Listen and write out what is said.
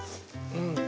うん。